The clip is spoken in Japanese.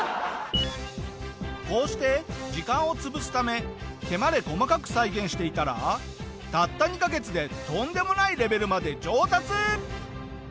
こうして時間を潰すため毛まで細かく再現していたらたった２カ月でとんでもないレベルまで上達！